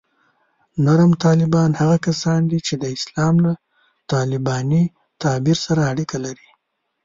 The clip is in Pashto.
نرم طالبان هغه کسان دي چې د اسلام له طالباني تعبیر سره اړیکې لري